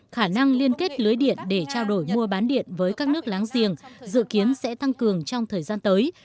khả năng liên kết lưới điện để trao đổi mua bán điện với các nước láng giềng dự kiến sẽ tăng cường trong thời gian tới